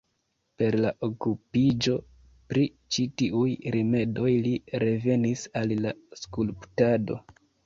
Per la okupiĝo pri ĉi tiuj rimedoj li revenis al la skulptado.